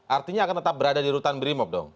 artinya akan tetap berada di rutan brimob dong